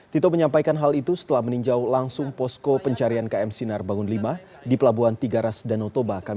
tito menyampaikan hal itu setelah meninjau langsung posko pencarian km sinar bangun v di pelabuhan tigaras danotoba